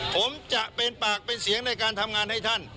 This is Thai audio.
ผมจะเป็นปากเป็นเสียงในการทำงานให้ท่าน